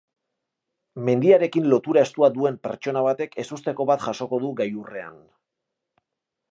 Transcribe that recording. Mendiarekin lotura estua duen pertsona batek ezusteko bat jasoko du gailurrean.